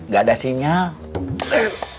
gak ada sinyal